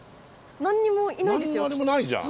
何にもいないですよ。